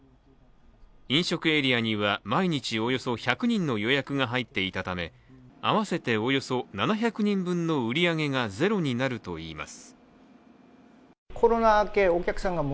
飲食エリアには毎日およそ１００人の予約が入っていたため合わせて、およそ７００人分の売り上げがゼロになるといいます。